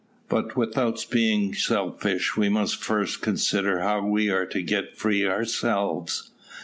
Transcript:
"But without being selfish, we must first consider how we are to get free ourselves."